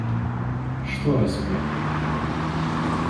Что развод?